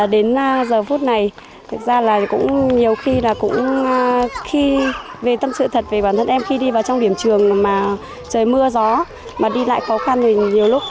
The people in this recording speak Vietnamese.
đến giờ phút này thực ra là cũng nhiều khi là cũng khi về tâm sự thật về bản thân em khi đi vào trong điểm trường mà trời mưa gió mà đi lại khó khăn về nhiều lúc